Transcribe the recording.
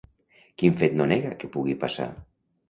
Quin fet no nega que pugui passar?